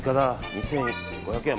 ２５００円。